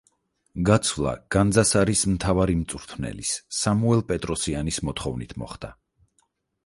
გაცვლა განძასარის მთავარი მწვრთნელის, სამუელ პეტროსიანის მოთხოვნით მოხდა.